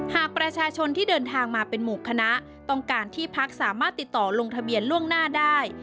หากประชาชนที่เดินทางมาเป็นหมู่คณะต้องการที่พักสามารถติดต่อลงทะเบียนล่วงหน้าได้